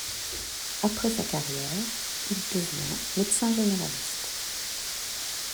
Après sa carrière, il devient médecin généraliste.